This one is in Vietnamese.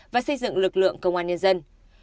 và xây dựng lực lượng công an nhân dân